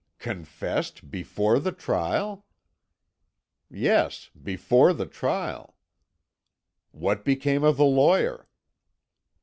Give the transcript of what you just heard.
"Confessed before his trial?" "Yes, before the trial." "What became of the lawyer?"